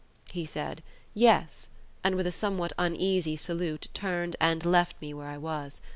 He said "yes," and with a somewhat uneasy salute turned and left me where I was.